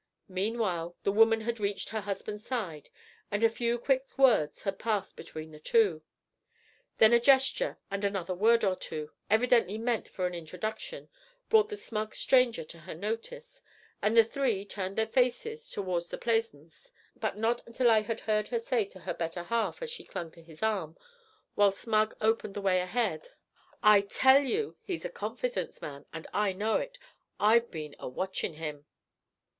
Meanwhile the woman had reached her husband's side, and a few quick words had passed between the two. Then a gesture, and another word or two, evidently meant for an introduction, brought the smug stranger to her notice, and the three turned their faces toward the Plaisance; but not until I had heard her say to her better half as she clung to his arm, while Smug opened a way ahead, 'I tell you he's a confidence man, and I know it. I've been a watchin' him!'